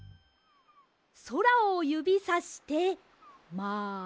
そらをゆびさしてまる。